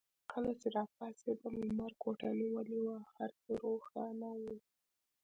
کله چې راپاڅېدم لمر کوټه نیولې وه او هر څه روښانه وو.